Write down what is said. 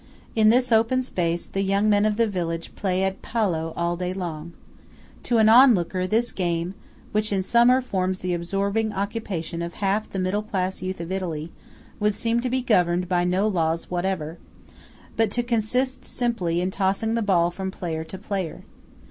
In this open space, the young men of the village play at Pallo all day long. To an looker on, this game which in summer forms the absorbing occupation of half the middle class youth of Italy, would seem to be governed by no laws whatever, but to consist simply in tossing the ball from player to player.